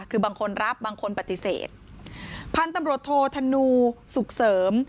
คือบางคนรับบางคนปฏิเสธพันธุ์ตำรวจโทษธนูสุขเสริม